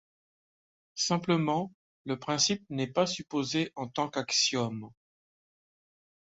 Simplement, le principe n'est pas supposé en tant qu'axiome.